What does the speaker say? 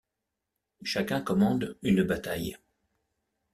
Chacun commande une bataille.